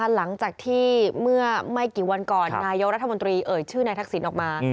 หลังจากที่ไม่กี่วันก่อนรายเยาะรัฐมนตรีเฉื่อชื่อนายทักศิลป์ออกมา